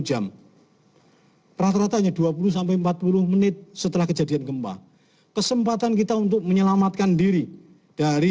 jam rata rata hanya dua puluh empat puluh menit setelah kejadian gempa kesempatan kita untuk menyelamatkan diri dari